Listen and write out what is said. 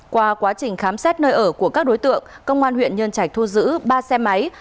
qua quá trình khám xét nơi ở của các đối tượng công an huyện nhân trạch thu giữ ba xe máy